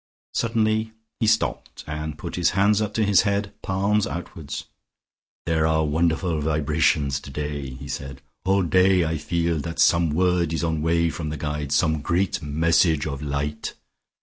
Suddenly he stopped, and put his hands up to his head, palms outward. "There are wonderful vibrations today," he said. "All day I feel that some word is on way from the Guides, some great message of light."